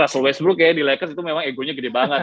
kalau facebook ya di lakers itu memang egonya gede banget